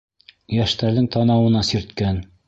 Йәштәрҙең танауына сирткән